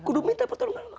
kudu minta pertolongan allah